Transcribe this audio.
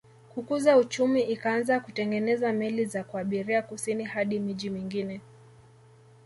Kukuza uchumi ikaanza kutengeneza meli za kuabiria kusini hadi miji mingine